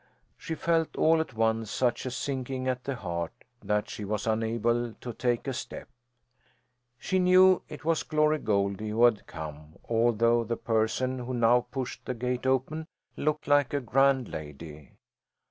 She felt all at once such a sinking at the heart that she was unable to take a step. She knew it was Glory Goldie who had come, although the person who now pushed the gate open looked like a grand lady.